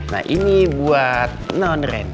nah ini buat nondrena